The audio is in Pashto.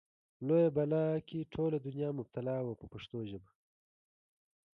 لویه بلا کې ټوله دنیا مبتلا وه په پښتو ژبه.